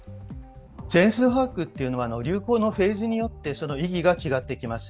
全数把握は流行のフェーズによって、その意義が違ってきます。